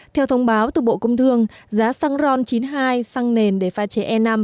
theo thông báo từ bộ công thương giá xăng ron chín mươi hai xăng nền để pha chế e năm